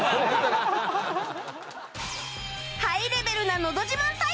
ハイレベルなのど自慢大会